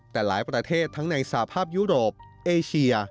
แต่หลายประเทศทั้งในสภาพยุโรปเอเชีย